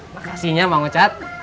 makasih ya mak ngocat